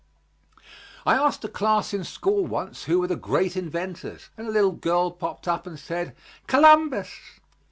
I asked a class in school once who were the great inventors, and a little girl popped up and said, "Columbus."